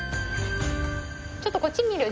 ちょっとこっち見る？